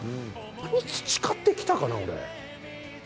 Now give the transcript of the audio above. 何培ってきたかな、俺。